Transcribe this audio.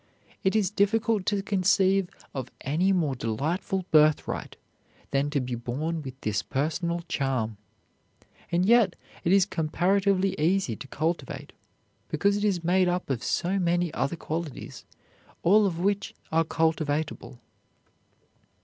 It is difficult to conceive of any more delightful birthright than to be born with this personal charm, and yet it is comparatively easy to cultivate, because it is made up of so many other qualities, all of which are cultivatable.